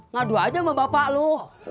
ngadu aja sama bapak lu